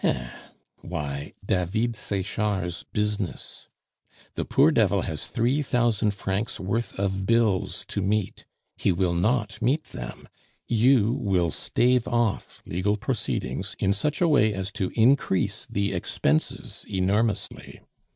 Eh! why, David Sechard's business. The poor devil has three thousand francs' worth of bills to meet; he will not meet them; you will stave off legal proceedings in such a way as to increase the expenses enormously.